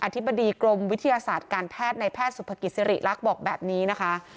ธิบดีกรมวิทยาศาสตร์การแพทย์ในแพทย์สุภกิจสิริรักษ์บอกแบบนี้นะคะ